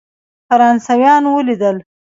فرانسویان ولیدل.